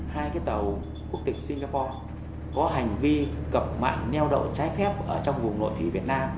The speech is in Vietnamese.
hai cái tàu quốc tịch singapore có hành vi cập mạng neo đậu trái phép ở trong vùng nội thị việt nam